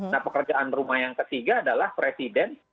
nah pekerjaan rumah yang ketiga adalah presiden